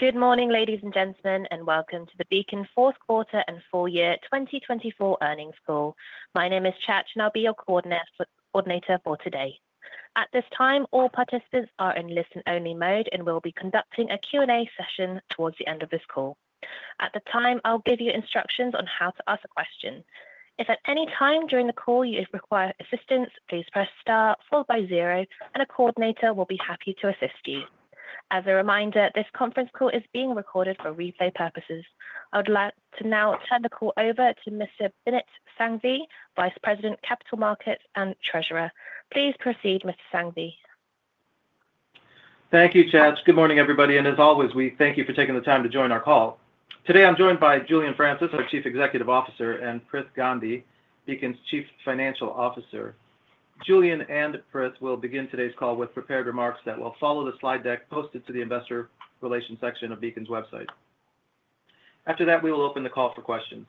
Good morning, ladies and gentlemen, and welcome to the Beacon Fourth Quarter and Full Year 2024 Earnings Call. My name is Chad, and I'll be your coordinator for today. At this time, all participants are in listen-only mode and will be conducting a Q&A session towards the end of this call. At the time, I'll give you instructions on how to ask a question. If at any time during the call you require assistance, please press star followed by zero, and a coordinator will be happy to assist you. As a reminder, this conference call is being recorded for replay purposes. I would like to now turn the call over to Mr. Binit Sanghvi, Vice President, Capital Markets and Treasurer. Please proceed, Mr. Sanghvi. Thank you, Chad. Good morning, everybody, and as always, we thank you for taking the time to join our call. Today, I'm joined by Julian Francis, our Chief Executive Officer, and Prithvi Gandhi, Beacon's Chief Financial Officer. Julian and Prith will begin today's call with prepared remarks that will follow the slide deck posted to the Investor Relations section of Beacon's website. After that, we will open the call for questions.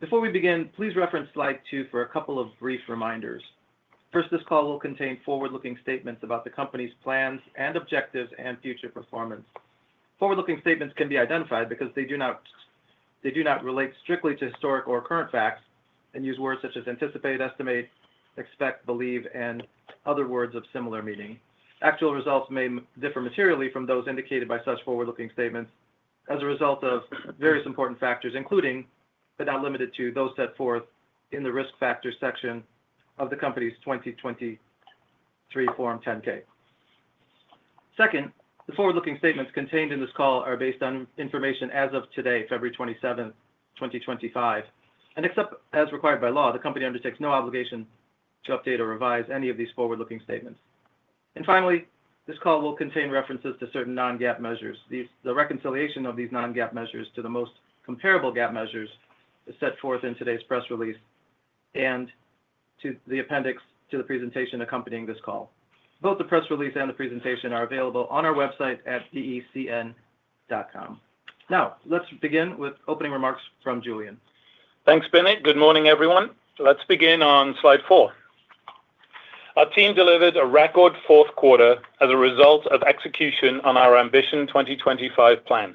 Before we begin, please reference slide two for a couple of brief reminders. First, this call will contain forward-looking statements about the company's plans and objectives and future performance. Forward-looking statements can be identified because they do not relate strictly to historic or current facts and use words such as anticipate, estimate, expect, believe, and other words of similar meaning. Actual results may differ materially from those indicated by such forward-looking statements as a result of various important factors, including but not limited to those set forth in the risk factors section of the company's 2023 Form 10-K. Second, the forward-looking statements contained in this call are based on information as of today, February 27th, 2025, and except as required by law, the company undertakes no obligation to update or revise any of these forward-looking statements, and finally, this call will contain references to certain non-GAAP measures. The reconciliation of these non-GAAP measures to the most comparable GAAP measures is set forth in today's press release and to the appendix to the presentation accompanying this call. Both the press release and the presentation are available on our website at becn.com. Now, let's begin with opening remarks from Julian. Thanks, Binit. Good morning, everyone. Let's begin on slide four. Our team delivered a record fourth quarter as a result of execution on our Ambition 2025 plan.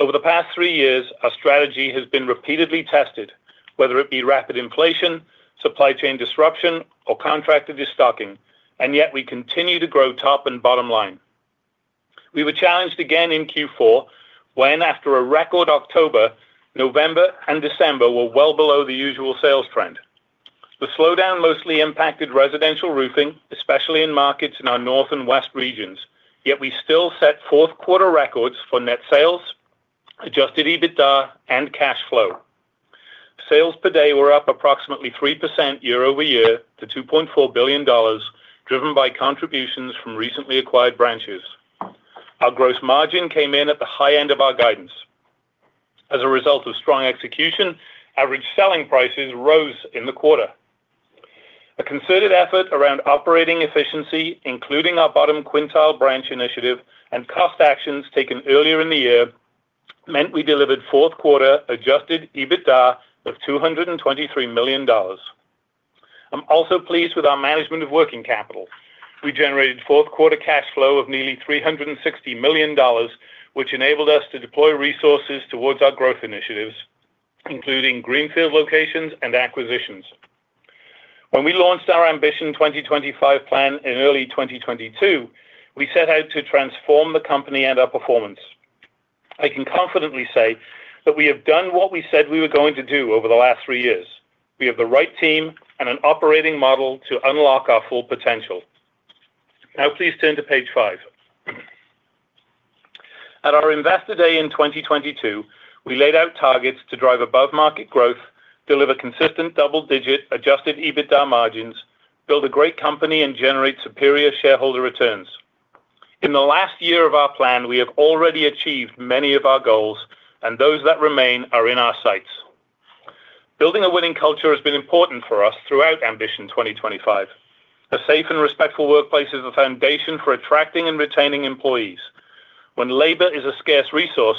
Over the past three years, our strategy has been repeatedly tested, whether it be rapid inflation, supply chain disruption, or contractor destocking, and yet we continue to grow top and bottom line. We were challenged again in Q4 when, after a record October, November, and December, were well below the usual sales trend. The slowdown mostly impacted residential roofing, especially in markets in our north and west regions, yet we still set fourth quarter records for net sales, Adjusted EBITDA, and cash flow. Sales per day were up approximately 3% year-over-year to $2.4 billion, driven by contributions from recently acquired branches. Our gross margin came in at the high end of our guidance. As a result of strong execution, average selling prices rose in the quarter. A concerted effort around operating efficiency, including our Bottom Quintile Branch initiative and cost actions taken earlier in the year, meant we delivered fourth quarter Adjusted EBITDA of $223 million. I'm also pleased with our management of working capital. We generated fourth quarter cash flow of nearly $360 million, which enabled us to deploy resources towards our growth initiatives, including greenfield locations and acquisitions. When we launched our Ambition 2025 plan in early 2022, we set out to transform the company and our performance. I can confidently say that we have done what we said we were going to do over the last three years. We have the right team and an operating model to unlock our full potential. Now, please turn to page five. At our investor day in 2022, we laid out targets to drive above-market growth, deliver consistent double-digit Adjusted EBITDA margins, build a great company, and generate superior shareholder returns. In the last year of our plan, we have already achieved many of our goals, and those that remain are in our sights. Building a winning culture has been important for us throughout Ambition 2025. A safe and respectful workplace is the foundation for attracting and retaining employees. When labor is a scarce resource,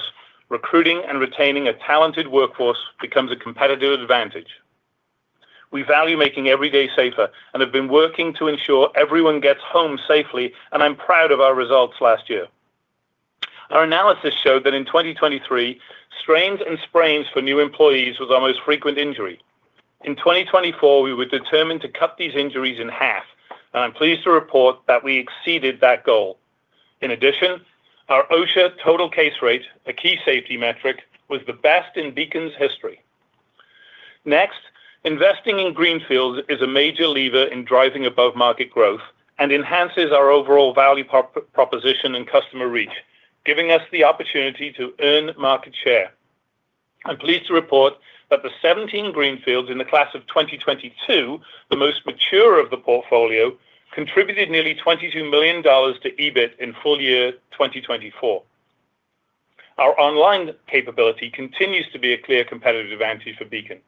recruiting and retaining a talented workforce becomes a competitive advantage. We value making every day safer and have been working to ensure everyone gets home safely, and I'm proud of our results last year. Our analysis showed that in 2023, strains and sprains for new employees was our most frequent injury. In 2024, we were determined to cut these injuries in half, and I'm pleased to report that we exceeded that goal. In addition, our OSHA total case rate, a key safety metric, was the best in Beacon's history. Next, investing in greenfields is a major lever in driving above-market growth and enhances our overall value proposition and customer reach, giving us the opportunity to earn market share. I'm pleased to report that the 17 greenfields in the Class of 2022, the most mature of the portfolio, contributed nearly $22 million to EBIT in Full Year 2024. Our online capability continues to be a clear competitive advantage for Beacon,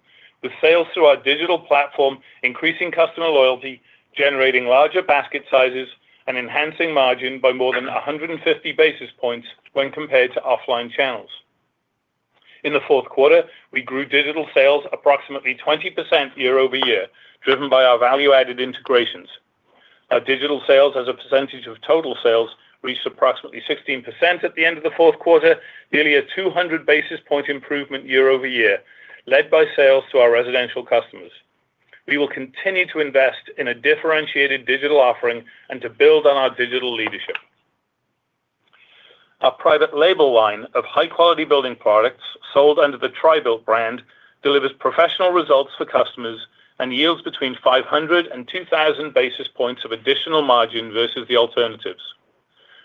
with sales through our digital platform, increasing customer loyalty, generating larger basket sizes, and enhancing margin by more than 150 basis points when compared to offline channels. In the fourth quarter, we grew digital sales approximately 20% year-over-year, driven by our value-added integrations. Our digital sales as a percentage of total sales reached approximately 16% at the end of the fourth quarter, nearly a 200 basis point improvement year-over-year, led by sales to our residential customers. We will continue to invest in a differentiated digital offering and to build on our digital leadership. Our private label line of high-quality building products sold under the Tri-Built brand delivers professional results for customers and yields between 500 and 2,000 basis points of additional margin versus the alternatives.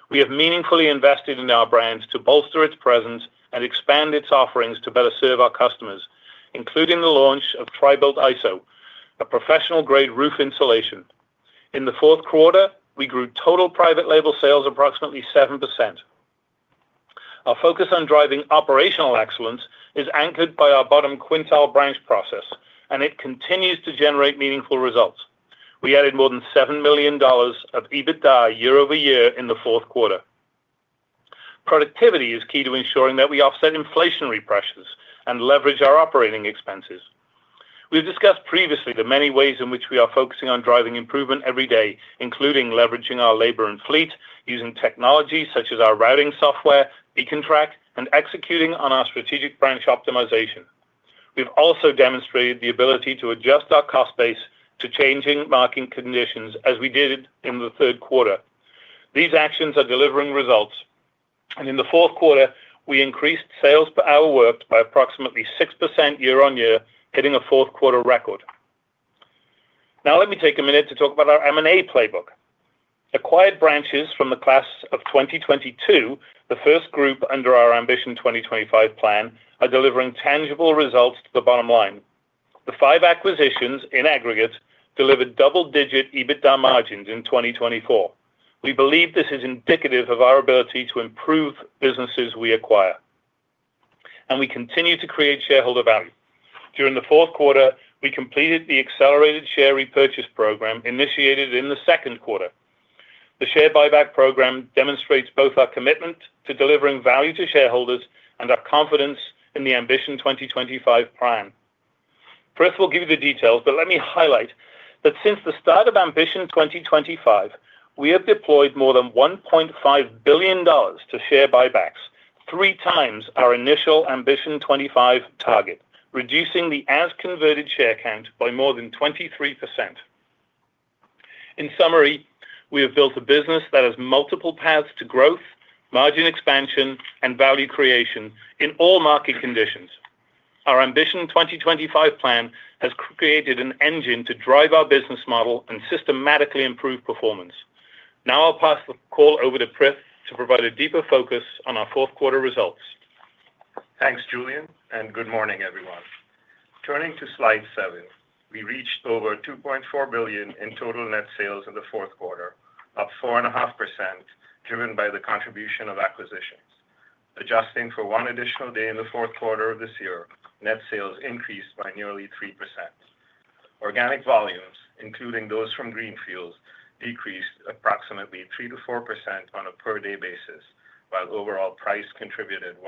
We have meaningfully invested in our brand to bolster its presence and expand its offerings to better serve our customers, including the launch of Tri-Built ISO, a professional-grade roof insulation. In the fourth quarter, we grew total private label sales approximately 7%. Our focus on driving operational excellence is anchored by our bottom quintile branch process, and it continues to generate meaningful results. We added more than $7 million of EBITDA year-over-year in the fourth quarter. Productivity is key to ensuring that we offset inflationary pressures and leverage our operating expenses. We've discussed previously the many ways in which we are focusing on driving improvement every day, including leveraging our labor and fleet, using technology such as our routing software, Beacon TRAK, and executing on our strategic branch optimization. We've also demonstrated the ability to adjust our cost base to changing market conditions as we did in the third quarter. These actions are delivering results. And in the fourth quarter, we increased sales per hour worked by approximately 6% year on year, hitting a fourth quarter record. Now, let me take a minute to talk about our M&A playbook. Acquired branches from the Class of 2022, the first group under our Ambition 2025 plan, are delivering tangible results to the bottom line. The five acquisitions in aggregate delivered double-digit EBITDA margins in 2024. We believe this is indicative of our ability to improve businesses we acquire, and we continue to create shareholder value. During the fourth quarter, we completed the accelerated share repurchase program initiated in the second quarter. The share buyback program demonstrates both our commitment to delivering value to shareholders and our confidence in the Ambition 2025 plan. Prith will give you the details, but let me highlight that since the start of Ambition 2025, we have deployed more than $1.5 billion to share buybacks, three times our initial Ambition 2025 target, reducing the as-converted share count by more than 23%. In summary, we have built a business that has multiple paths to growth, margin expansion, and value creation in all market conditions. Our Ambition 2025 plan has created an engine to drive our business model and systematically improve performance. Now I'll pass the call over to Prith to provide a deeper focus on our fourth quarter results. Thanks, Julian, and good morning, everyone. Turning to slide seven, we reached over $2.4 billion in total net sales in the fourth quarter, up 4.5%, driven by the contribution of acquisitions. Adjusting for one additional day in the fourth quarter of this year, net sales increased by nearly 3%. Organic volumes, including those from greenfields, decreased approximately 3%-4% on a per-day basis, while overall price contributed 1%-2%.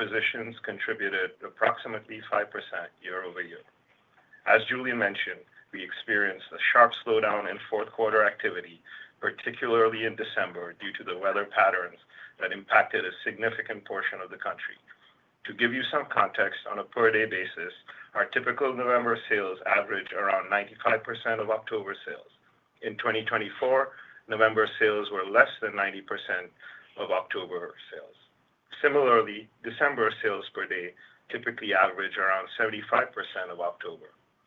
Acquisitions contributed approximately 5% year-over-year. As Julian mentioned, we experienced a sharp slowdown in fourth quarter activity, particularly in December, due to the weather patterns that impacted a significant portion of the country. To give you some context, on a per-day basis, our typical November sales averaged around 95% of October sales. In 2024, November sales were less than 90% of October sales. Similarly, December sales per day typically averaged around 75% of October.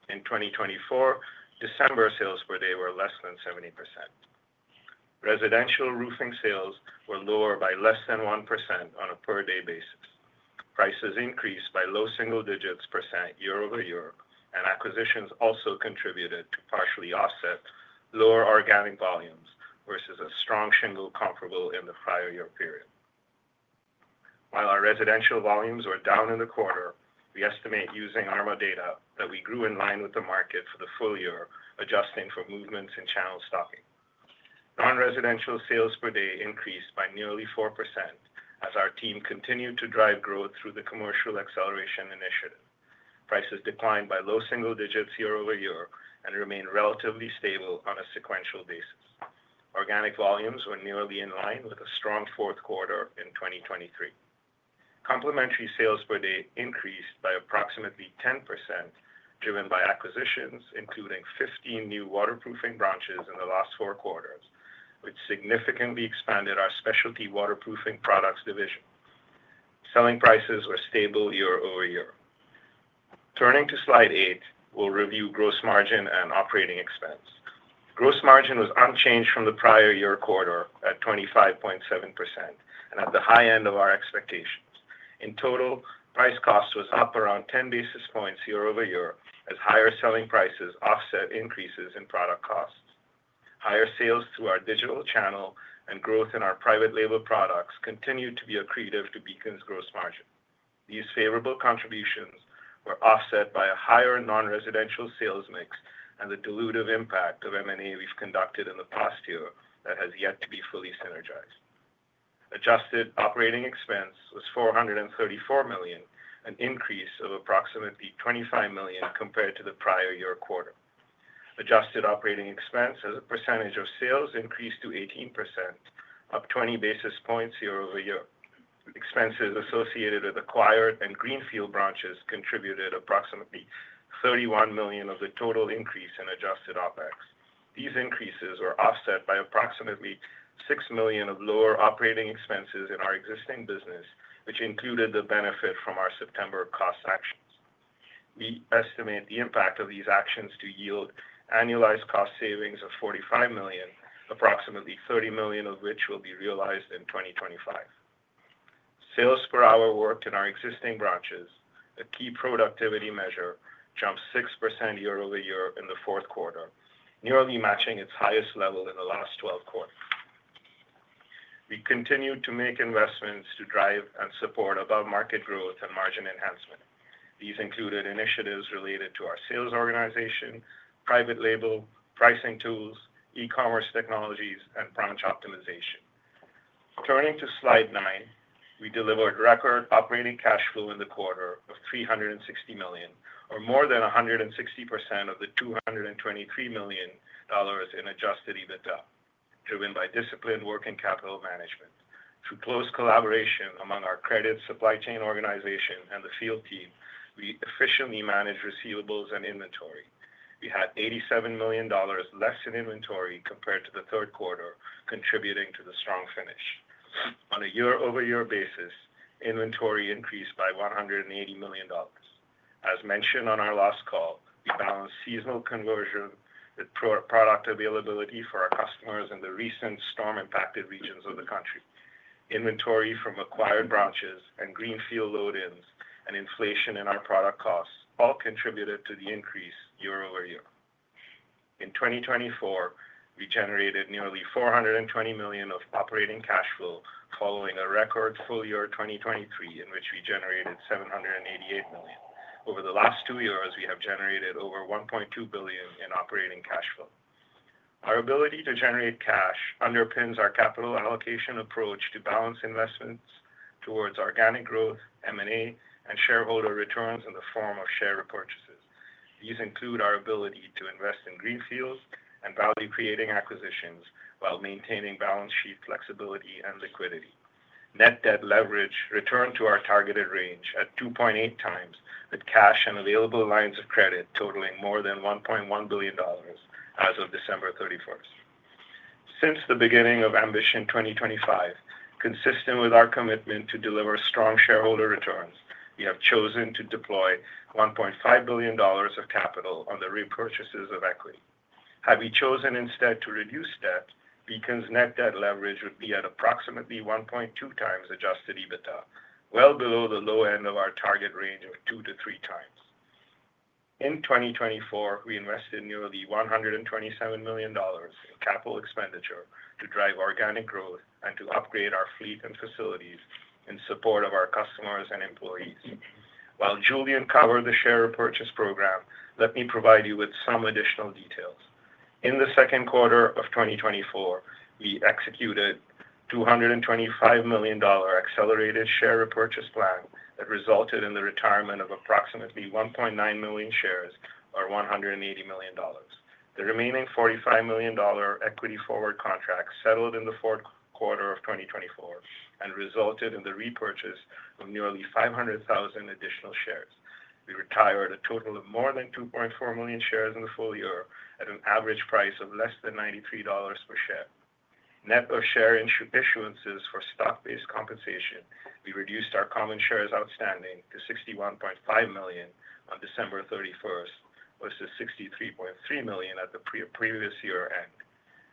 In 2024, December sales per day were less than 70%. Residential roofing sales were lower by less than 1% on a per-day basis. Prices increased by low single digits % year-over-year, and acquisitions also contributed to partially offset lower organic volumes versus a strong shingle comparable in the prior year period. While our residential volumes were down in the quarter, we estimate, using ARMA data, that we grew in line with the market for the Full Year, adjusting for movements in channel stocking. Non-residential sales per day increased by nearly 4% as our team continued to drive growth through the commercial acceleration initiative. Prices declined by low single digits % year-over-year and remained relatively stable on a sequential basis. Organic volumes were nearly in line with a strong fourth quarter in 2023. Comparable sales per day increased by approximately 10%, driven by acquisitions, including 15 new waterproofing branches in the last four quarters, which significantly expanded our specialty waterproofing products division. Selling prices were stable year-over-year. Turning to slide eight, we'll review gross margin and operating expense. Gross margin was unchanged from the prior year quarter at 25.7% and at the high end of our expectations. In total, price cost was up around 10 basis points year-over-year as higher selling prices offset increases in product costs. Higher sales through our digital channel and growth in our private label products continued to be a credit to Beacon's gross margin. These favorable contributions were offset by a higher non-residential sales mix and the dilutive impact of M&A we've conducted in the past year that has yet to be fully synergized. Adjusted Operating Expense was $434 million, an increase of approximately $25 million compared to the prior year quarter. Adjusted Operating Expense as a percentage of sales increased to 18%, up 20 basis points year-over-year. Expenses associated with acquired and greenfield branches contributed approximately $31 million of the total increase in Adjusted OpEx. These increases were offset by approximately $6 million of lower operating expenses in our existing business, which included the benefit from our September cost actions. We estimate the impact of these actions to yield annualized cost savings of $45 million, approximately $30 million of which will be realized in 2025. Sales per hour worked in our existing branches, a key productivity measure, jumped 6% year-over-year in the fourth quarter, nearly matching its highest level in the last 12 quarters. We continued to make investments to drive and support above-market growth and margin enhancement. These included initiatives related to our sales organization, private label, pricing tools, e-commerce technologies, and branch optimization. Turning to slide nine, we delivered record operating cash flow in the quarter of $360 million, or more than 160% of the $223 million in Adjusted EBITDA, driven by disciplined working capital management. Through close collaboration among our credit supply chain organization and the field team, we efficiently managed receivables and inventory. We had $87 million less in inventory compared to the third quarter, contributing to the strong finish. On a year-over-year basis, inventory increased by $180 million. As mentioned on our last call, we balanced seasonal conversion with product availability for our customers in the recent storm-impacted regions of the country. Inventory from acquired branches and greenfield load-ins and inflation in our product costs all contributed to the increase year-over-year. In 2024, we generated nearly $420 million of operating cash flow following a record Full Year 2023 in which we generated $788 million. Over the last two years, we have generated over $1.2 billion in operating cash flow. Our ability to generate cash underpins our capital allocation approach to balance investments towards organic growth, M&A, and shareholder returns in the form of share repurchases. These include our ability to invest in greenfields and value-creating acquisitions while maintaining balance sheet flexibility and liquidity. Net debt leverage returned to our targeted range at 2.8 times with cash and available lines of credit totaling more than $1.1 billion as of December 31st. Since the beginning of Ambition 2025, consistent with our commitment to deliver strong shareholder returns, we have chosen to deploy $1.5 billion of capital on the repurchases of equity. Had we chosen instead to reduce debt, Beacon's net debt leverage would be at approximately 1.2 times Adjusted EBITDA, well below the low end of our target range of two to three times. In 2024, we invested nearly $127 million in capital expenditure to drive organic growth and to upgrade our fleet and facilities in support of our customers and employees. While Julian covered the share repurchase program, let me provide you with some additional details. In the second quarter of 2024, we executed a $225 million accelerated share repurchase plan that resulted in the retirement of approximately 1.9 million shares, or $180 million. The remaining $45 million equity-forward contract settled in the fourth quarter of 2024 and resulted in the repurchase of nearly 500,000 additional shares. We retired a total of more than 2.4 million shares in the Full Year at an average price of less than $93 per share. Net of share issuances for stock-based compensation, we reduced our common shares outstanding to 61.5 million on December 31st versus 63.3 million at the previous year end,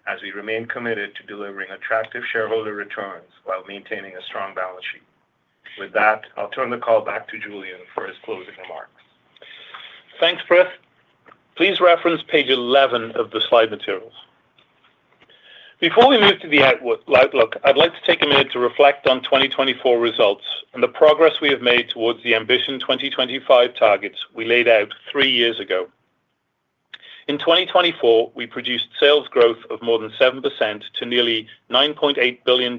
as we remain committed to delivering attractive shareholder returns while maintaining a strong balance sheet. With that, I'll turn the call back to Julian for his closing remarks. Thanks, Prith. Please reference page 11 of the slide materials. Before we move to the outlook, I'd like to take a minute to reflect on 2024 results and the progress we have made towards the Ambition 2025 targets we laid out three years ago. In 2024, we produced sales growth of more than 7% to nearly $9.8 billion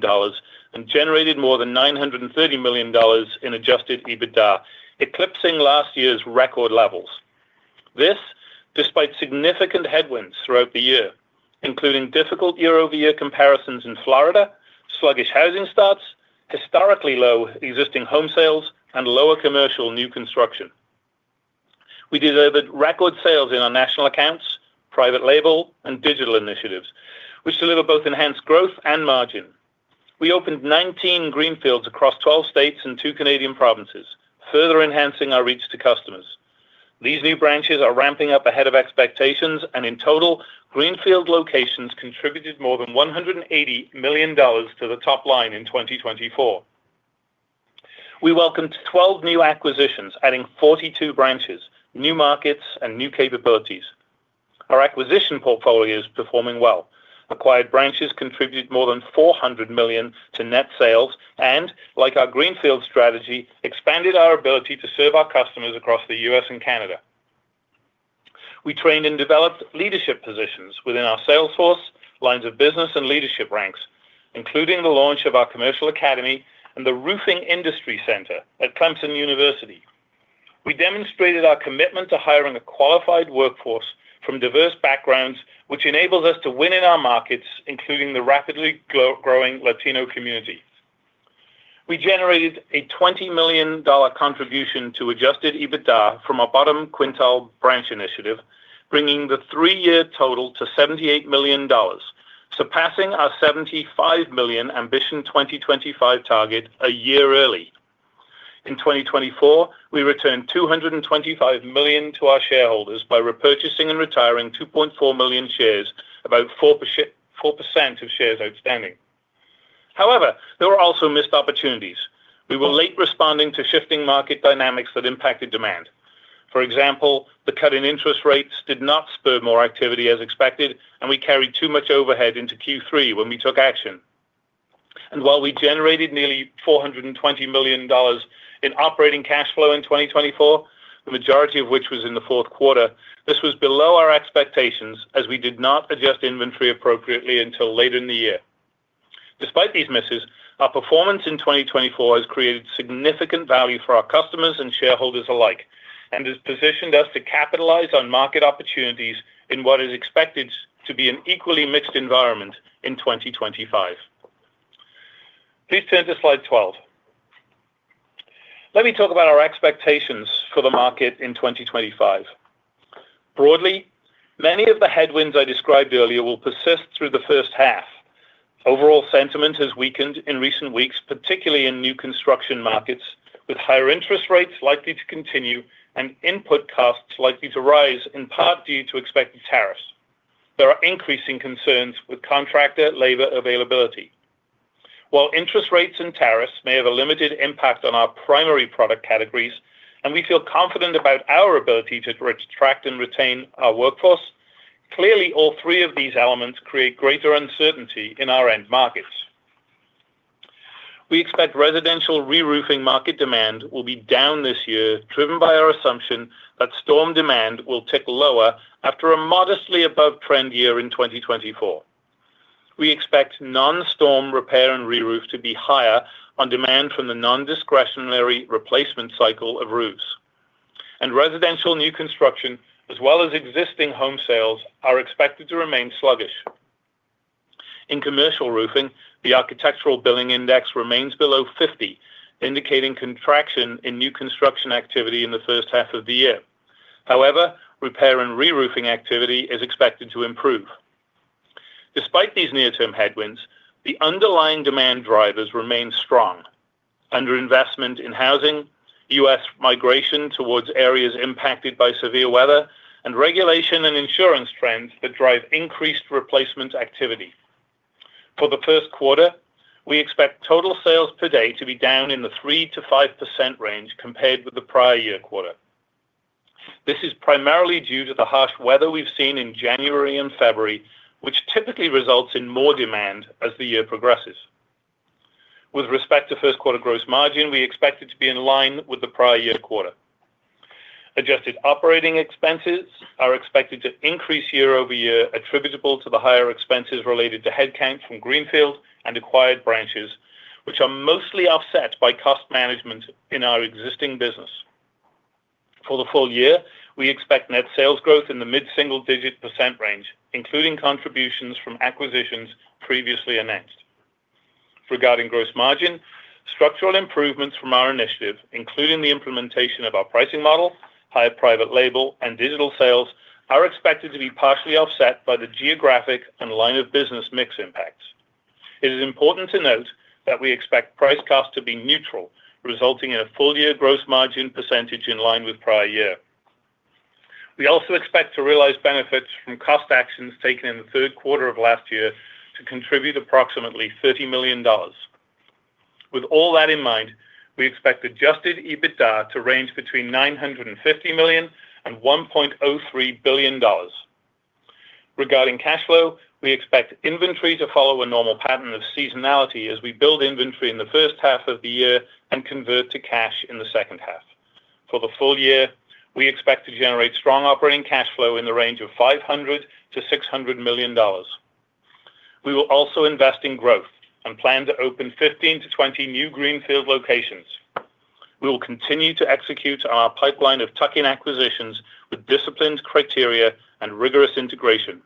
and generated more than $930 million in Adjusted EBITDA, eclipsing last year's record levels. This, despite significant headwinds throughout the year, including difficult year-over-year comparisons in Florida, sluggish housing starts, historically low existing home sales, and lower commercial new construction. We delivered record sales in our national accounts, private label, and digital initiatives, which deliver both enhanced growth and margin. We opened 19 greenfields across 12 states and two Canadian provinces, further enhancing our reach to customers. These new branches are ramping up ahead of expectations, and in total, greenfield locations contributed more than $180 million to the top line in 2024. We welcomed 12 new acquisitions, adding 42 branches, new markets, and new capabilities. Our acquisition portfolio is performing well. Acquired branches contributed more than $400 million to net sales and, like our greenfield strategy, expanded our ability to serve our customers across the U.S. and Canada. We trained and developed leadership positions within our sales force, lines of business, and leadership ranks, including the launch of our Commercial Academy and the Roofing Industry Center at Clemson University. We demonstrated our commitment to hiring a qualified workforce from diverse backgrounds, which enables us to win in our markets, including the rapidly growing Latino community. We generated a $20 million contribution to Adjusted EBITDA from our Bottom Quintile Branch initiative, bringing the three-year total to $78 million, surpassing our $75 million Ambition 2025 target a year early. In 2024, we returned $225 million to our shareholders by repurchasing and retiring 2.4 million shares, about 4% of shares outstanding. However, there were also missed opportunities. We were late responding to shifting market dynamics that impacted demand. For example, the cut in interest rates did not spur more activity as expected, and we carried too much overhead into Q3 when we took action, and while we generated nearly $420 million in operating cash flow in 2024, the majority of which was in the fourth quarter, this was below our expectations as we did not adjust inventory appropriately until later in the year. Despite these misses, our performance in 2024 has created significant value for our customers and shareholders alike and has positioned us to capitalize on market opportunities in what is expected to be an equally mixed environment in 2025. Please turn to slide 12. Let me talk about our expectations for the market in 2025. Broadly, many of the headwinds I described earlier will persist through the first half. Overall sentiment has weakened in recent weeks, particularly in new construction markets, with higher interest rates likely to continue and input costs likely to rise, in part due to expected tariffs. There are increasing concerns with contractor labor availability. While interest rates and tariffs may have a limited impact on our primary product categories and we feel confident about our ability to attract and retain our workforce, clearly all three of these elements create greater uncertainty in our end markets. We expect residential reroofing market demand will be down this year, driven by our assumption that storm demand will tick lower after a modestly above-trend year in 2024. We expect non-storm repair and reroof to be higher on demand from the non-discretionary replacement cycle of roofs, and residential new construction, as well as existing home sales, are expected to remain sluggish. In commercial roofing, the Architecture Billings Index remains below 50, indicating contraction in new construction activity in the first half of the year. However, repair and reroofing activity is expected to improve. Despite these near-term headwinds, the underlying demand drivers remain strong. Underinvestment in housing, U.S. migration towards areas impacted by severe weather, and regulation and insurance trends that drive increased replacement activity. For the first quarter, we expect total sales per day to be down in the 3%-5% range compared with the prior year quarter. This is primarily due to the harsh weather we've seen in January and February, which typically results in more demand as the year progresses. With respect to first-quarter gross margin, we expect it to be in line with the prior year quarter. Adjusted Operating Expenses are expected to increase year-over-year, attributable to the higher expenses related to headcount from greenfield and acquired branches, which are mostly offset by cost management in our existing business. For the Full Year, we expect net sales growth in the mid-single-digit % range, including contributions from acquisitions previously announced. Regarding gross margin, structural improvements from our initiative, including the implementation of our pricing model, higher private label, and digital sales, are expected to be partially offset by the geographic and line-of-business mix impacts. It is important to note that we expect price costs to be neutral, resulting in a full-year gross margin percentage in line with prior year. We also expect to realize benefits from cost actions taken in the third quarter of last year to contribute approximately $30 million. With all that in mind, we expect Adjusted EBITDA to range between $950 million and $1.03 billion. Regarding cash flow, we expect inventory to follow a normal pattern of seasonality as we build inventory in the first half of the year and convert to cash in the second half. For the Full Year, we expect to generate strong operating cash flow in the range of $500-$600 million. We will also invest in growth and plan to open 15-20 new greenfield locations. We will continue to execute on our pipeline of tuck-in acquisitions with disciplined criteria and rigorous integration.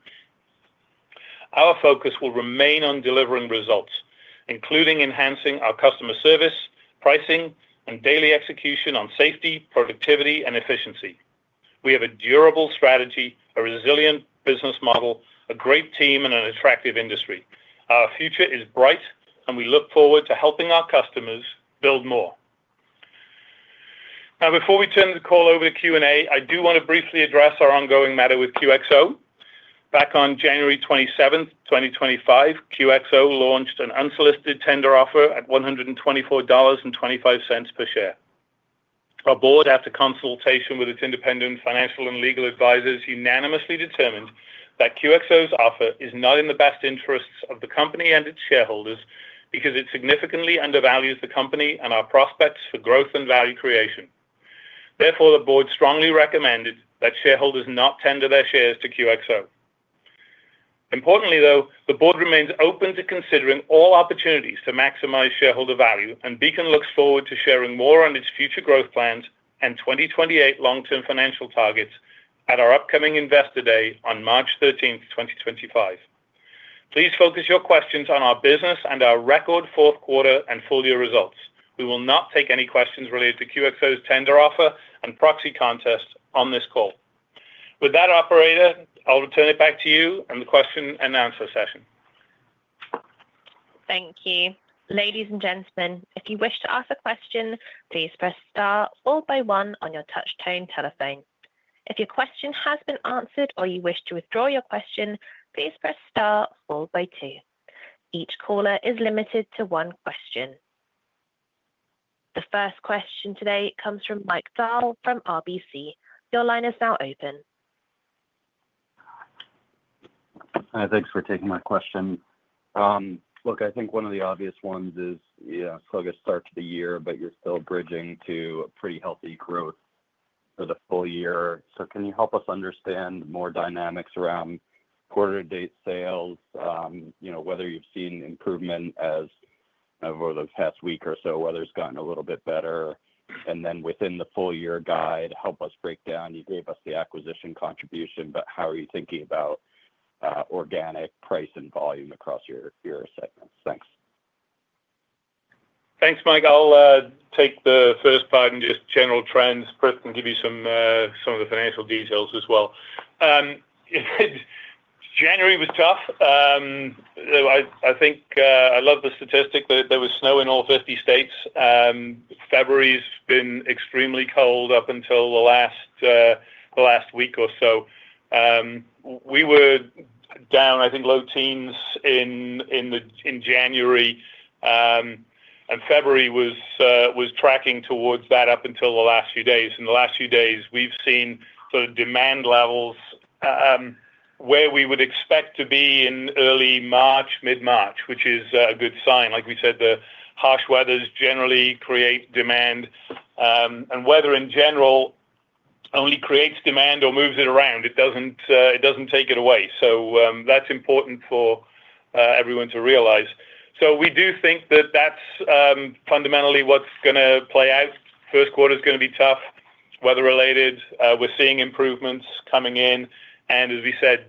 Our focus will remain on delivering results, including enhancing our customer service, pricing, and daily execution on safety, productivity, and efficiency. We have a durable strategy, a resilient business model, a great team, and an attractive industry. Our future is bright, and we look forward to helping our customers build more. Now, before we turn the call over to Q&A, I do want to briefly address our ongoing matter with QXO. Back on January 27th, 2025, QXO launched an unsolicited tender offer at $124.25 per share. Our board, after consultation with its independent financial and legal advisors, unanimously determined that QXO's offer is not in the best interests of the company and its shareholders because it significantly undervalues the company and our prospects for growth and value creation. Therefore, the board strongly recommended that shareholders not tender their shares to QXO. Importantly, though, the board remains open to considering all opportunities to maximize shareholder value, and Beacon looks forward to sharing more on its future growth plans and 2028 long-term financial targets at our upcoming investor day on March 13th, 2025. Please focus your questions on our business and our record fourth quarter and full-year results. We will not take any questions related to QXO's tender offer and proxy contest on this call. With that, Operator, I'll return it back to you and the question and answer session. Thank you. Ladies and gentlemen, if you wish to ask a question, please press Star or by one on your touch-tone telephone. If your question has been answered or you wish to withdraw your question, please press Star or by two. Each caller is limited to one question. The first question today comes from Mike Dahl from RBC. Your line is now open. Hi, thanks for taking my question. Look, I think one of the obvious ones is, you know, it's still a good start to the year, but you're still bridging to a pretty healthy growth for the Full Year. So can you help us understand more dynamics around quarter-to-date sales, you know, whether you've seen improvement over the past week or so, whether it's gotten a little bit better? And then within the full-year guide, help us break down, you gave us the acquisition contribution, but how are you thinking about organic price and volume across your segments? Thanks. Thanks, Mike. I'll take the first part and just general trends, Prith, and give you some of the financial details as well. January was tough. I think I love the statistic that there was snow in all 50 states. February's been extremely cold up until the last week or so. We were down, I think, low teens in January, and February was tracking towards that up until the last few days. In the last few days, we've seen sort of demand levels where we would expect to be in early March, mid-March, which is a good sign. Like we said, the harsh weathers generally create demand, and weather in general only creates demand or moves it around. It doesn't take it away. So that's important for everyone to realize. So we do think that that's fundamentally what's going to play out. First quarter's going to be tough, weather-related. We're seeing improvements coming in. And as we said,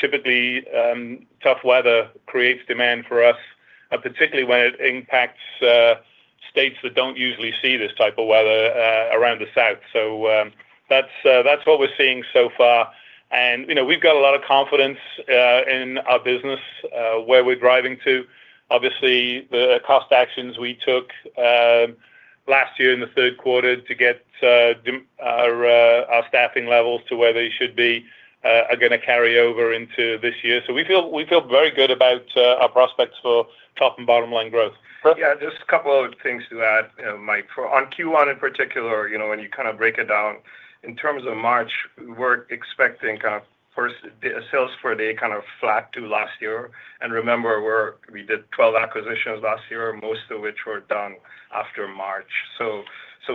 typically, tough weather creates demand for us, particularly when it impacts states that don't usually see this type of weather around the South. So that's what we're seeing so far. And we've got a lot of confidence in our business, where we're driving to. Obviously, the cost actions we took last year in the third quarter to get our staffing levels to where they should be are going to carry over into this year. So we feel very good about our prospects for top and bottom-line growth. Yeah, just a couple of things to add, Mike. On Q1 in particular, when you kind of break it down, in terms of March, we're expecting kind of flat sales for the day kind of flat to last year. And remember, we did 12 acquisitions last year, most of which were done after March. So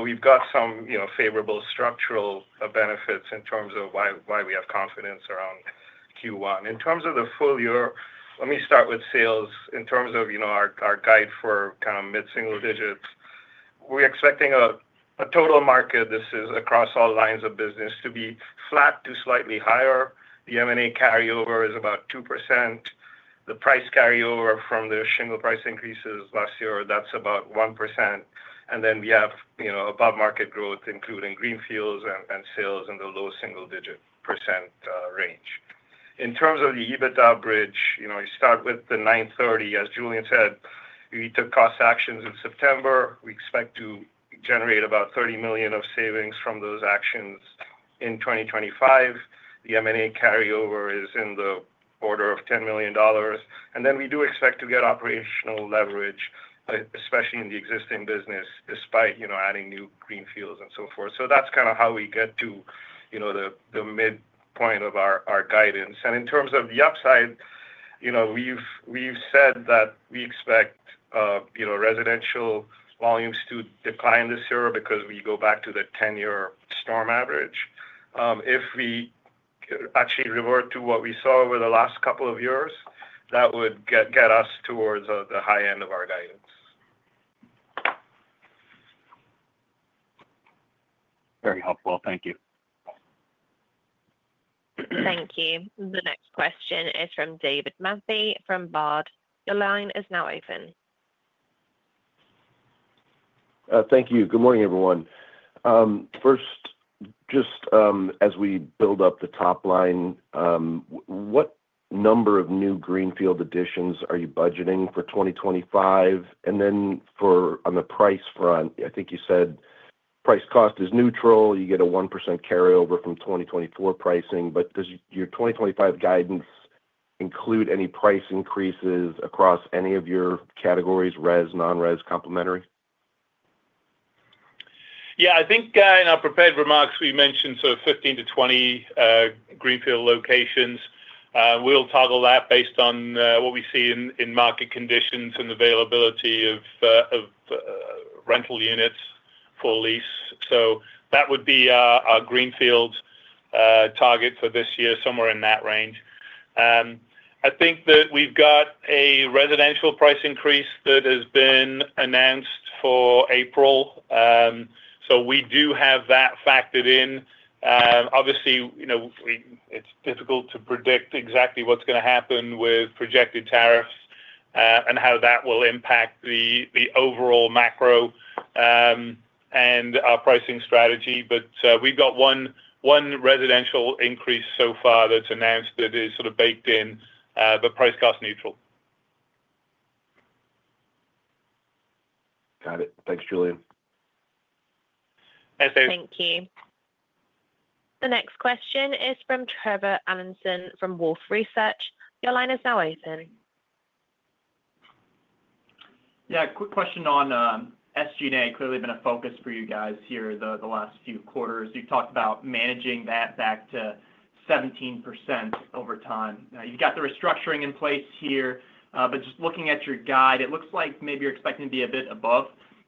we've got some favorable structural benefits in terms of why we have confidence around Q1. In terms of the Full Year, let me start with sales. In terms of our guide for kind of mid-single digits, we're expecting a total market, this is across all lines of business, to be flat to slightly higher. The M&A carryover is about 2%. The price carryover from the shingle price increases last year, that's about 1%. And then we have above-market growth, including greenfields and sales in the low single-digit % range. In terms of the EBITDA bridge, you start with the $930 million. As Julian said, we took cost actions in September. We expect to generate about $30 million of savings from those actions in 2025. The M&A carryover is in the order of $10 million. And then we do expect to get operational leverage, especially in the existing business, despite adding new greenfields and so forth. So that's kind of how we get to the midpoint of our guidance. And in terms of the upside, we've said that we expect residential volumes to decline this year because we go back to the 10-year storm average. If we actually revert to what we saw over the last couple of years, that would get us towards the high end of our guidance. Very helpful. Thank you. Thank you. The next question is from David Manthey from Baird. Your line is now open. Thank you. Good morning, everyone. First, just as we build up the top line, what number of new greenfield additions are you budgeting for 2025? And then on the price front, I think you said price cost is neutral. You get a 1% carryover from 2024 pricing. But does your 2025 guidance include any price increases across any of your categories: res, non-res, complementary? Yeah. I think in our prepared remarks, we mentioned sort of 15-20 greenfield locations. We'll toggle that based on what we see in market conditions and availability of rental units for lease. So that would be our greenfield target for this year, somewhere in that range. I think that we've got a residential price increase that has been announced for April. So we do have that factored in. Obviously, it's difficult to predict exactly what's going to happen with projected tariffs and how that will impact the overall macro and our pricing strategy. But we've got one residential increase so far that's announced that is sort of baked in, but price cost neutral. Got it. Thanks, Julian. Thank you. Thank you. The next question is from Trevor Allinson from Wolfe Research. Your line is now open. Yeah, quick question on SG&A. Clearly, it's been a focus for you guys here the last few quarters. You've talked about managing that back to 17% over time. You've got the restructuring in place here. But just looking at your guide, it looks like maybe you're expecting to be a bit above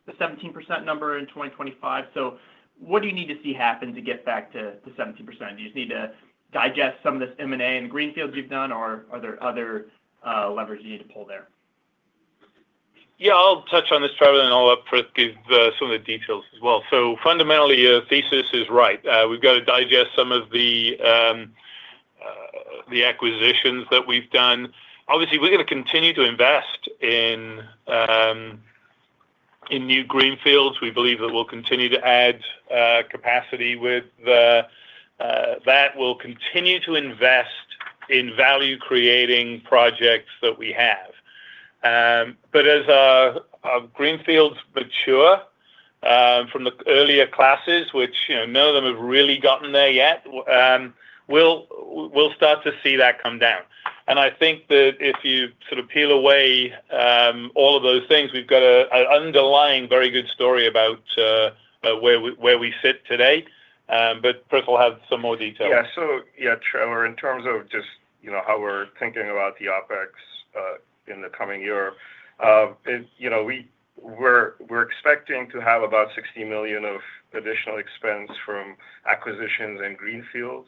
the 17% number in 2025. So what do you need to see happen to get back to 17%? Do you just need to digest some of this M&A and greenfields you've done, or are there other levers you need to pull there? Yeah, I'll touch on this, Trevor, and I'll let Prith give some of the details as well. So fundamentally, your thesis is right. We've got to digest some of the acquisitions that we've done. Obviously, we're going to continue to invest in new greenfields. We believe that we'll continue to add capacity with that. We'll continue to invest in value-creating projects that we have. But as our greenfields mature from the earlier classes, which none of them have really gotten there yet, we'll start to see that come down. And I think that if you sort of peel away all of those things, we've got an underlying very good story about where we sit today. But Prith will have some more detail. Yeah. Yeah, Trevor, in terms of just how we're thinking about the OpEx in the coming year, we're expecting to have about $60 million of additional expense from acquisitions and greenfields.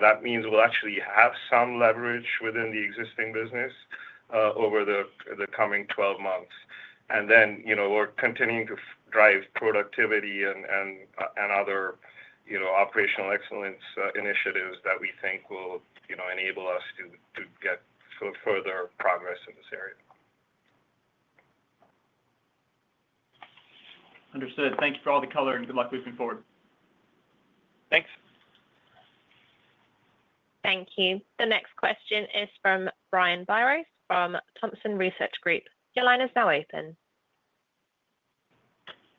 That means we'll actually have some leverage within the existing business over the coming 12 months. We're continuing to drive productivity and other operational excellence initiatives that we think will enable us to get further progress in this area. Understood. Thank you for all the color and good luck moving forward. Thanks. Thank you. The next question is from Brian Biros from Thompson Research Group. Your line is now open.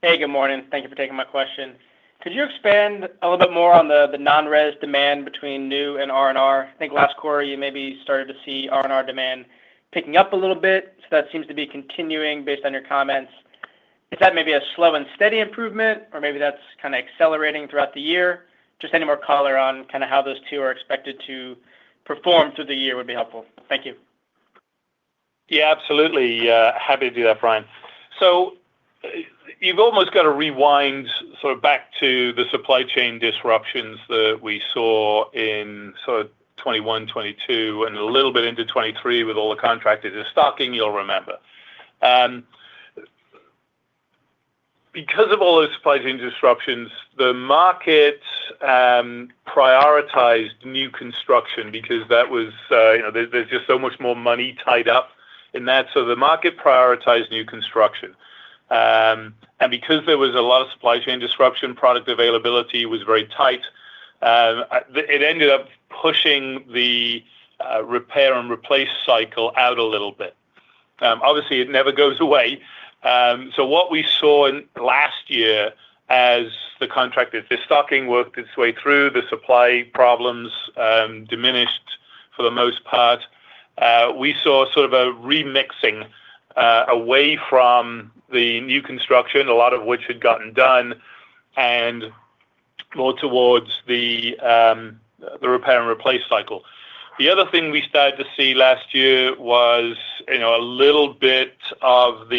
Hey, good morning. Thank you for taking my question. Could you expand a little bit more on the non-res demand between new and R&R? I think last quarter, you maybe started to see R&R demand picking up a little bit. So that seems to be continuing based on your comments. Is that maybe a slow and steady improvement, or maybe that's kind of accelerating throughout the year? Just any more color on kind of how those two are expected to perform through the year would be helpful. Thank you. Yeah, absolutely. Happy to do that, Brian. So you've almost got to rewind sort of back to the supply chain disruptions that we saw in sort of 2021, 2022, and a little bit into 2023 with all the contractors and stocking, you'll remember. Because of all those supply chain disruptions, the market prioritized new construction because that was there's just so much more money tied up in that. So the market prioritized new construction. And because there was a lot of supply chain disruption, product availability was very tight. It ended up pushing the repair and replace cycle out a little bit. Obviously, it never goes away. So what we saw last year as the contractors, the stocking worked its way through, the supply problems diminished for the most part. We saw sort of a remixing away from the new construction, a lot of which had gotten done, and more towards the repair and replace cycle. The other thing we started to see last year was a little bit of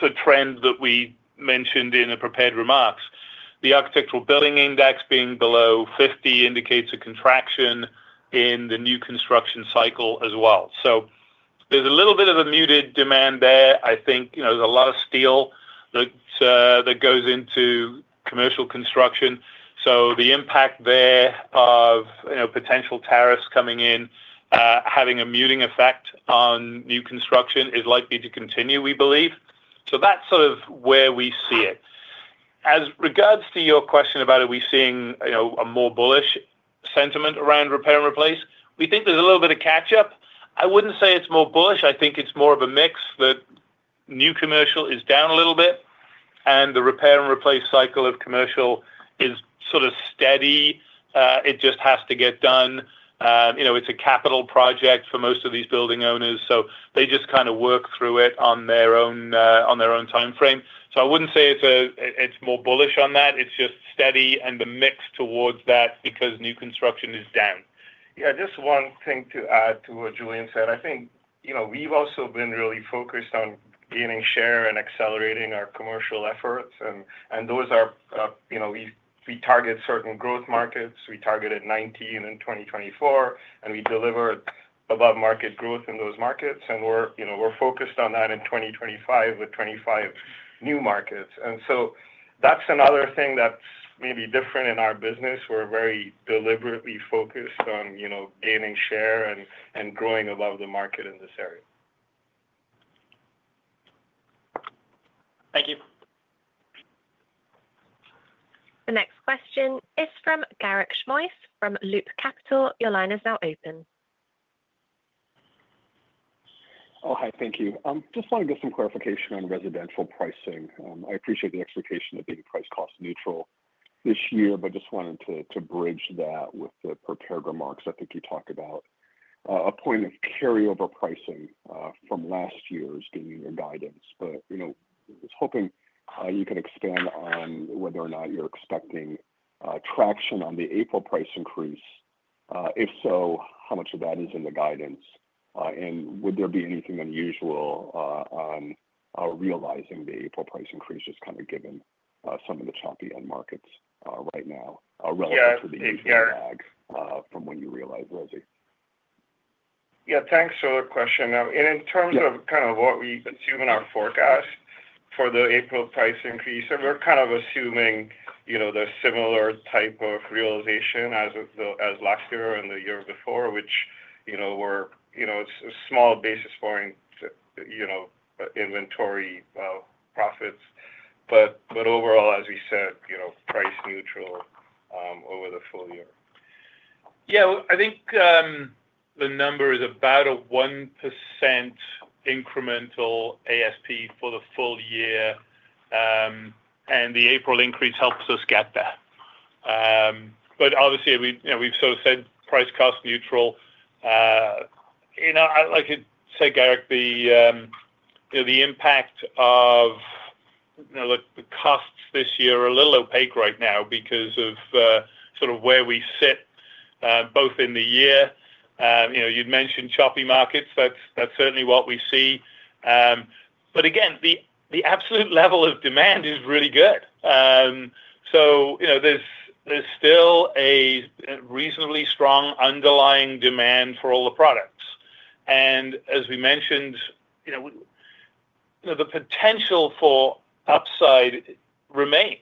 the trend that we mentioned in the prepared remarks. The Architectural Billings Index being below 50 indicates a contraction in the new construction cycle as well. There's a little bit of a muted demand there. I think there's a lot of steel that goes into commercial construction. The impact there of potential tariffs coming in, having a muting effect on new construction is likely to continue, we believe. That's sort of where we see it. As regards to your question about, are we seeing a more bullish sentiment around repair and replace, we think there's a little bit of catch-up. I wouldn't say it's more bullish. I think it's more of a mix that new commercial is down a little bit, and the repair and replace cycle of commercial is sort of steady. It just has to get done. It's a capital project for most of these building owners, so they just kind of work through it on their own timeframe. So I wouldn't say it's more bullish on that. It's just steady and a mix towards that because new construction is down. Yeah. Just one thing to add to what Julian said. I think we've also been really focused on gaining share and accelerating our commercial efforts. And those are we target certain growth markets. We targeted 2019 and 2024, and we delivered above-market growth in those markets. And we're focused on that in 2025 with 25 new markets. And so that's another thing that's maybe different in our business. We're very deliberately focused on gaining share and growing above the market in this area. Thank you. The next question is from Garik Shmois from Loop Capital. Your line is now open. Oh, hi. Thank you. I just want to get some clarification on residential pricing. I appreciate the expectation of being price cost neutral this year, but just wanted to bridge that with the prepared remarks I think you talked about. A point of carryover pricing from last year is getting your guidance. But I was hoping you could expand on whether or not you're expecting traction on the April price increase. If so, how much of that is in the guidance? And would there be anything unusual on realizing the April price increase, just kind of given some of the choppy end markets right now relative to the year-to-date lag from when you realized rosy? Yeah. Thanks for the question. And in terms of kind of what we assume in our forecast for the April price increase, we're kind of assuming the similar type of realization as last year and the year before, which were small basis point inventory profits. But overall, as we said, price neutral over the Full Year. Yeah. I think the number is about a 1% incremental ASP for the Full Year. And the April increase helps us get there. But obviously, we've sort of said price cost neutral. Like I said, Garik, the impact of the costs this year are a little opaque right now because of sort of where we sit both in the year. You'd mentioned choppy markets. That's certainly what we see. But again, the absolute level of demand is really good. So there's still a reasonably strong underlying demand for all the products. As we mentioned, the potential for upside remains,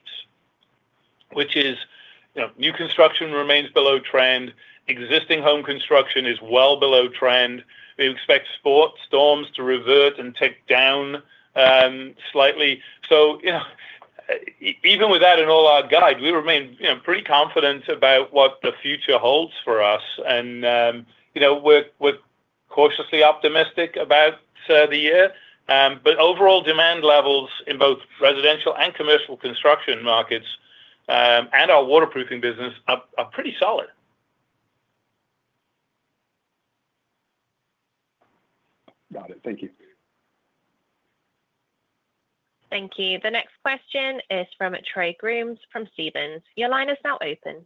which is new construction remains below trend. Existing home construction is well below trend. We expect severe storms to revert and take down slightly. Even without an all-out guide, we remain pretty confident about what the future holds for us. We're cautiously optimistic about the year. Overall, demand levels in both residential and commercial construction markets and our waterproofing business are pretty solid. Got it. Thank you. Thank you. The next question is from Trey Grooms from Stephens. Your line is now open.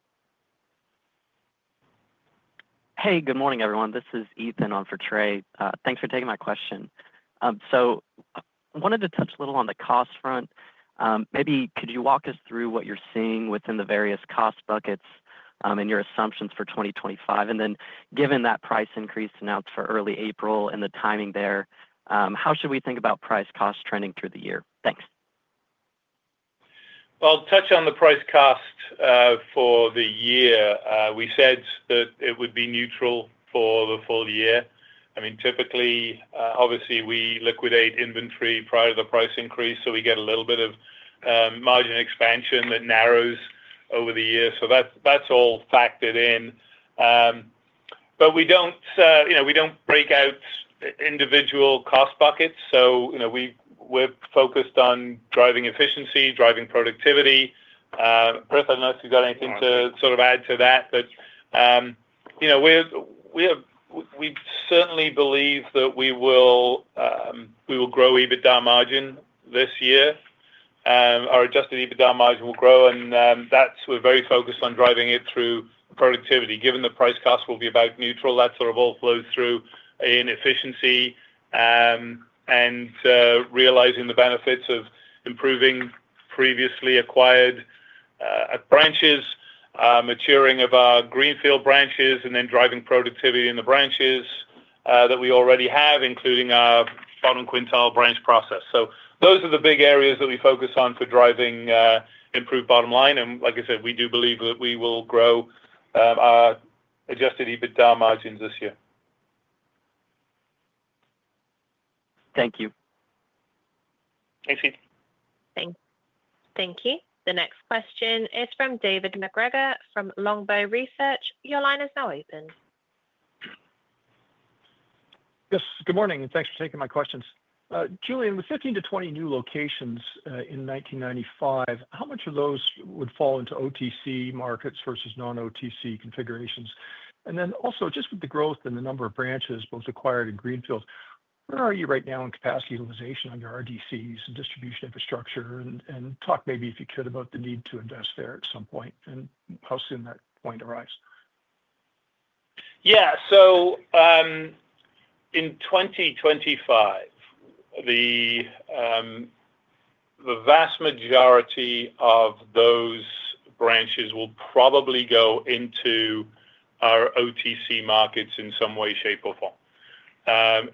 Hey, good morning, everyone. This is Ethan on for Trey. Thanks for taking my question. So I wanted to touch a little on the cost front. Maybe could you walk us through what you're seeing within the various cost buckets and your assumptions for 2025? And then given that price increase announced for early April and the timing there, how should we think about price cost trending through the year? Thanks. Touch on the price cost for the year. We said that it would be neutral for the Full Year. I mean, typically, obviously, we liquidate inventory prior to the price increase, so we get a little bit of margin expansion that narrows over the year. That's all factored in. But we don't break out individual cost buckets. We're focused on driving efficiency, driving productivity. Prith, I don't know if you've got anything to sort of add to that. But we certainly believe that we will grow EBITDA margin this year. Our adjusted EBITDA margin will grow. We're very focused on driving it through productivity. Given the price cost will be about neutral, that sort of all flows through in efficiency and realizing the benefits of improving previously acquired branches, maturing of our Greenfield branches, and then driving productivity in the branches that we already have, including our Bottom Quintile Branch process. So those are the big areas that we focus on for driving improved bottom line. And like I said, we do believe that we will grow our Adjusted EBITDA margins this year. Thank you. Thanks, Thank you. The next question is from David MacGregor from Longbow Research. Your line is now open. Yes. Good morning. And thanks for taking my questions. Julian, with 15-20 new locations in 1995, how much of those would fall into OTC markets versus non-OTC configurations? And then also, just with the growth and the number of branches both acquired and greenfields, where are you right now in capacity utilization on your RDCs and distribution infrastructure? And talk maybe, if you could, about the need to invest there at some point and how soon that point arrives. Yeah. So in 2025, the vast majority of those branches will probably go into our OTC markets in some way, shape, or form.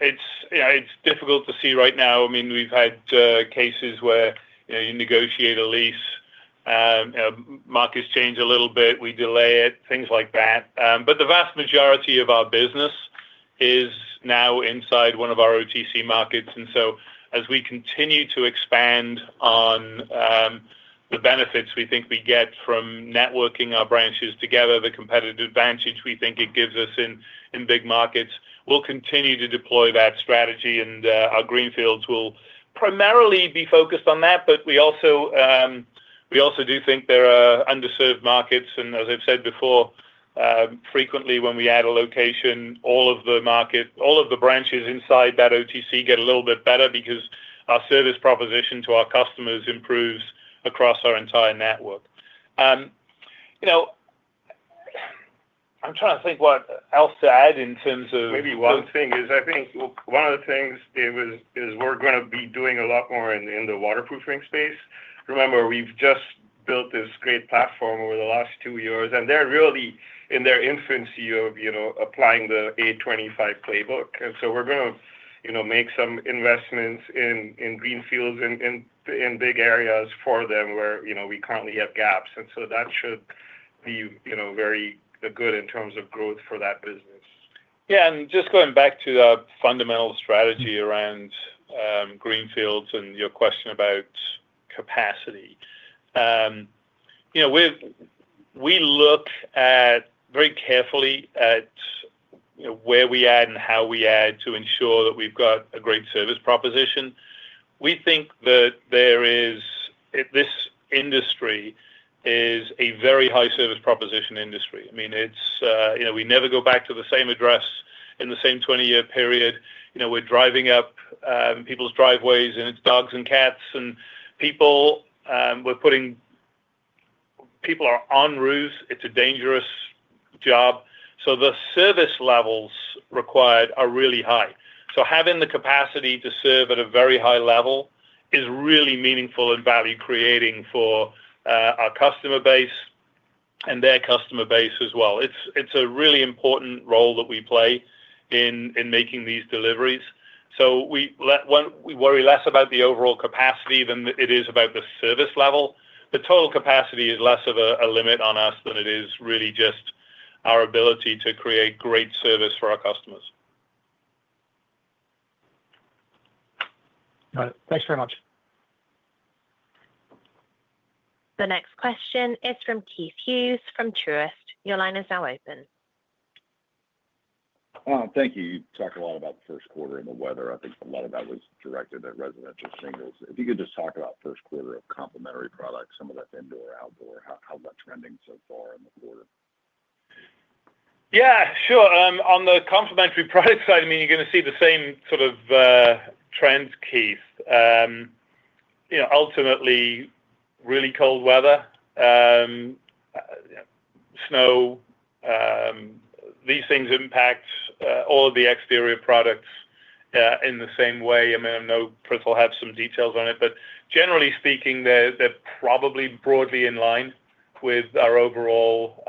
It's difficult to see right now. I mean, we've had cases where you negotiate a lease, markets change a little bit, we delay it, things like that. But the vast majority of our business is now inside one of our OTC markets. And so as we continue to expand on the benefits we think we get from networking our branches together, the competitive advantage we think it gives us in big markets, we'll continue to deploy that strategy. And our greenfields will primarily be focused on that. But we also do think there are underserved markets. And as I've said before, frequently when we add a location, all of the market, all of the branches inside that OTC get a little bit better because our service proposition to our customers improves across our entire network. I'm trying to think what else to add in terms of. Maybe one thing is I think one of the things is we're going to be doing a lot more in the waterproofing space. Remember, we've just built this great platform over the last two years, and they're really in their infancy of applying the A25 playbook. And so we're going to make some investments in greenfields in big areas for them where we currently have gaps. And so that should be very good in terms of growth for that business. Yeah. And just going back to the fundamental strategy around greenfields and your question about capacity, we look very carefully at where we add and how we add to ensure that we've got a great service proposition. We think that this industry is a very high service proposition industry. I mean, we never go back to the same address in the same 20-year period. We're driving up people's driveways, and it's dogs and cats and people. People are on roofs. It's a dangerous job. So the service levels required are really high. So having the capacity to serve at a very high level is really meaningful and value-creating for our customer base and their customer base as well. It's a really important role that we play in making these deliveries. So we worry less about the overall capacity than it is about the service level. The total capacity is less of a limit on us than it is really just our ability to create great service for our customers. Got it. Thanks very much. The next question is from Keith Hughes from Truist. Your line is now open. Thank you. You talked a lot about the first quarter and the weather. I think a lot of that was directed at residential singles. If you could just talk about the first quarter of complementary products, some of that indoor-outdoor, how's that trending so far in the quarter? Yeah. Sure. On the complementary product side, I mean, you're going to see the same sort of trends, Keith. Ultimately, really cold weather, snow, these things impact all of the exterior products in the same way. I mean, I know Prith will have some details on it. But generally speaking, they're probably broadly in line with our overall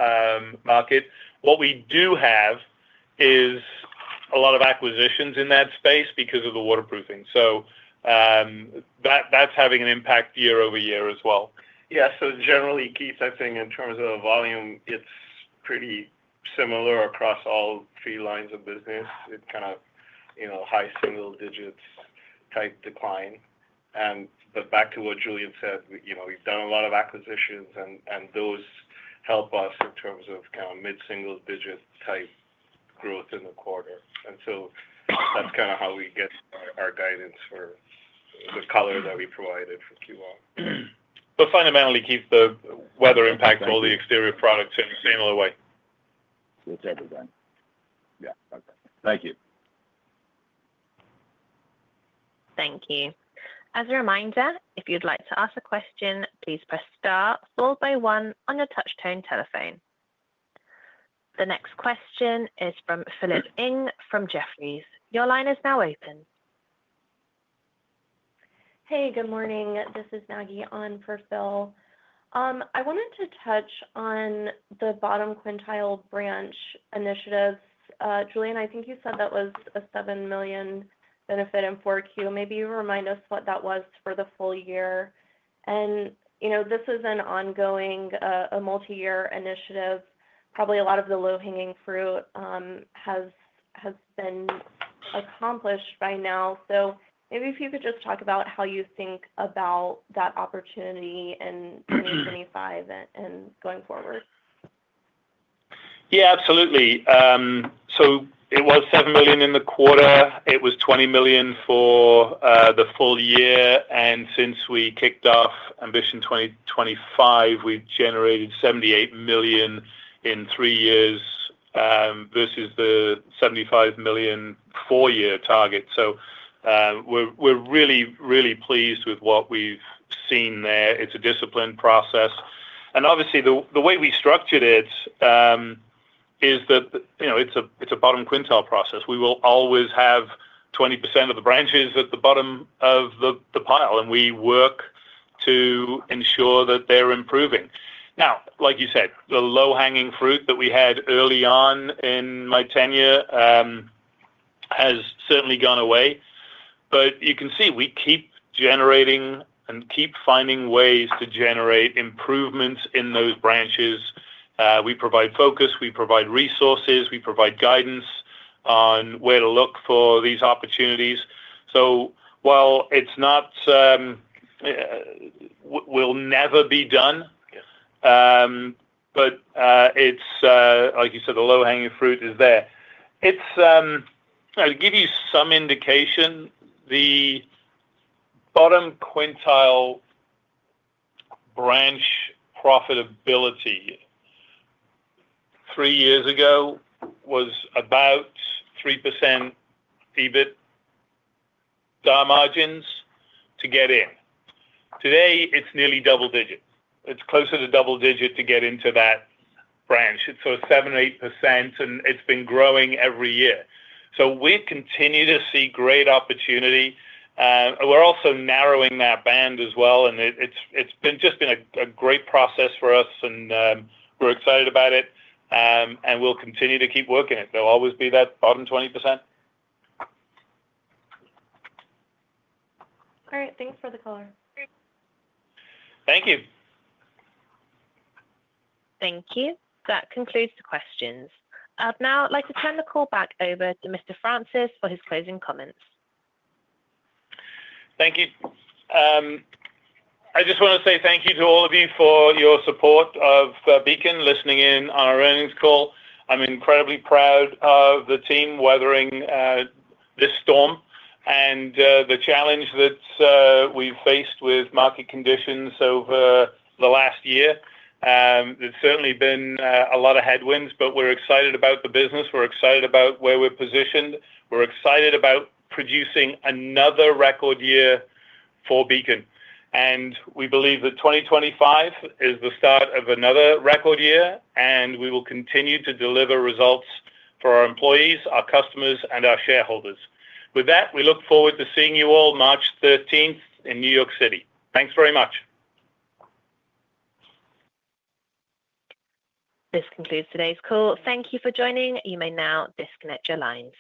market. What we do have is a lot of acquisitions in that space because of the waterproofing. So that's having an impact year-over-year as well. Yeah. So generally, Keith, I think in terms of volume, it's pretty similar across all three lines of business. It's kind of high single-digit type decline. But back to what Julian said, we've done a lot of acquisitions, and those help us in terms of kind of mid-single-digit type growth in the quarter. And so that's kind of how we get our guidance for the color that we provided for Q1. But fundamentally, Keith, the weather impacts all the exterior products in a similar way. It's everything. Yeah. Okay. Thank you. Thank you. As a reminder, if you'd like to ask a question, please press star followed by one on your touch-tone telephone. The next question is from Philip Ng from Jefferies. Your line is now open. Hey, good morning. This is Maggie on for Phil. I wanted to touch on the Bottom Quintile Branch initiatives. Julian, I think you said that was a $7 million benefit in 4Q. Maybe you remind us what that was for the Full Year. And this is an ongoing, a multi-year initiative. Probably a lot of the low-hanging fruit has been accomplished by now. So maybe if you could just talk about how you think about that opportunity in 2025 and going forward. Yeah, absolutely. So it was $7 million in the quarter. It was $20 million for the Full Year. And since we kicked off Ambition 2025, we've generated $78 million in three years versus the $75 million four-year target. So we're really, really pleased with what we've seen there. It's a disciplined process. And obviously, the way we structured it is that it's a bottom quintile process. We will always have 20% of the branches at the bottom of the pile, and we work to ensure that they're improving. Now, like you said, the low-hanging fruit that we had early on in my tenure has certainly gone away. But you can see we keep generating and keep finding ways to generate improvements in those branches. We provide focus. We provide resources. We provide guidance on where to look for these opportunities. So while it's not, we'll never be done, but it's, like you said, the low-hanging fruit is there. To give you some indication, the Bottom Quintile Branch profitability three years ago was about 3% EBITDA margins to get in. Today, it's nearly double digits. It's closer to double digits to get into that branch. It's sort of 7%-8%, and it's been growing every year. So we continue to see great opportunity. We're also narrowing that band as well. And it's just been a great process for us, and we're excited about it. And we'll continue to keep working it. There'll always be that bottom 20%. All right. Thanks for the call. Thank you. Thank you. That concludes the questions. Now, I'd like to turn the call back over to Mr. Francis for his closing comments. Thank you. I just want to say thank you to all of you for your support of Beacon, listening in on our earnings call. I'm incredibly proud of the team weathering this storm and the challenge that we've faced with market conditions over the last year. There's certainly been a lot of headwinds, but we're excited about the business. We're excited about where we're positioned. We're excited about producing another record year for Beacon. And we believe that 2025 is the start of another record year, and we will continue to deliver results for our employees, our customers, and our shareholders. With that, we look forward to seeing you all March 13th in New York City. Thanks very much. This concludes today's call. Thank you for joining. You may now disconnect your lines.